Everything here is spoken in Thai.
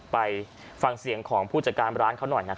ไปฟังเสียงของผู้จัดการร้านเขาหน่อย